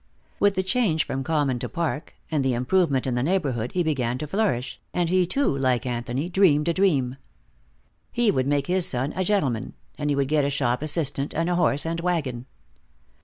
With the change from common to park, and the improvement in the neighborhood, he began to flourish, and he, too, like Anthony, dreamed a dream. He would make his son a gentleman, and he would get a shop assistant and a horse and wagon.